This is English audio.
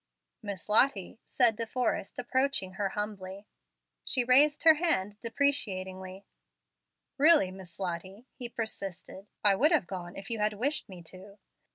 "Miss Lottie," said De Forrest, approaching her humbly. She raised her hand deprecatingly. "Really, Miss Lottie," he persisted, "I would have gone if you had wished me to."